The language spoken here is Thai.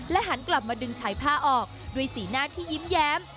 หันกลับมาดึงฉายผ้าออกด้วยสีหน้าที่ยิ้มแย้ม